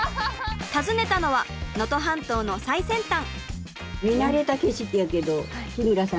訪ねたのは能登半島の最先端。